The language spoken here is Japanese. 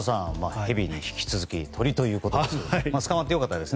ヘビに引き続き鳥ということです。